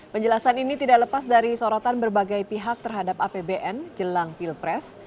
penjelasan ini tidak lepas dari sorotan berbagai pihak terhadap apbn jelang pilpres